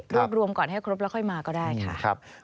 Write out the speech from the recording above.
รวมก่อนให้ครบแล้วค่อยมาก็ได้ค่ะ